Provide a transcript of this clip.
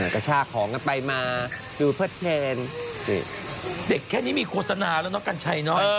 กระชากของกันไปมาดูเพื่อเทรนด์เด็กแค่นี้มีโฆษณาแล้วนะกันชัยน้อย